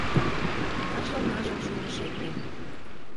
Ныжыл-ныжыл шÿлышет ден